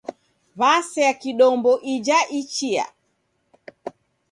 W'asea kidombo ija ichia.